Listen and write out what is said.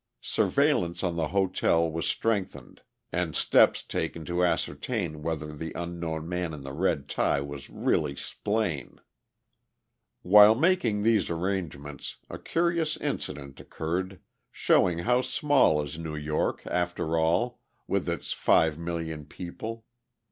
Surveillance on the hotel was strengthened, and steps taken to ascertain whether the unknown man in the red tie was really Splaine. While making these arrangements, a curious incident occurred, showing how small is New York, after all, with its five million people.